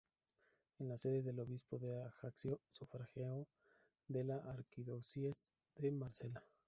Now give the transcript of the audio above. Es la sede del obispo de Ajaccio, sufragáneo de la arquidiócesis de Marsella.